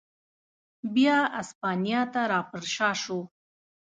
بیا اسپانیا ته را پرشا شو.